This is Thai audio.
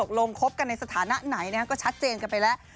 ลงคบกันในสถานะไหนก็ชัดเจนกันไปแล้ว